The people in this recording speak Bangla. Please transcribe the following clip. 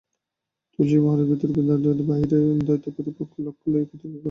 তুলসী মহারাজ ভিতরে বেদান্তবাদী, বাহিরে কিন্তু দ্বৈতবাদীর পক্ষ লইয়া তর্ক করেন।